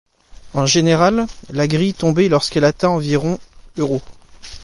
En général, la grille tombait lorsqu'elle atteint environ €.